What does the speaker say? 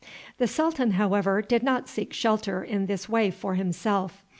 The sultan, however, did not seek shelter in this way for himself.